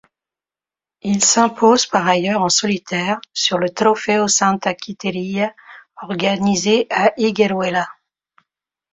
Il s'impose par ailleurs en solitaire sur le Trofeo Santa Quiteria, organisé à Higueruela.